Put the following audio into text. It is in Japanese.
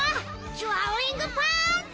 キュアウィングパーンチ！